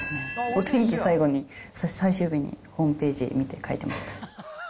お天気、最後に、最終日にホームページ見て書いてました。